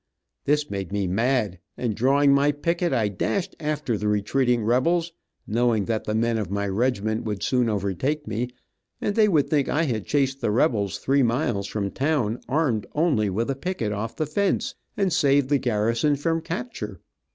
This made me mad, and drawing my picket I dashed after the retreating rebels, knowing that the men of my regiment would soon overtake me, and they would think I had chased the rebels three miles from town, armed only with a picket off the fence, and saved the garrison from capture.